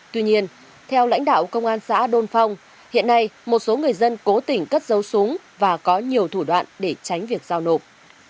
tuy nhiên theo lãnh đạo công an xã đôn phong hiện nay một số người dân cố tỉnh cất dấu súng và có nhiều thủ đoạn để tránh việc giao nộp